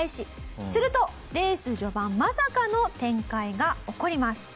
するとレース序盤まさかの展開が起こります。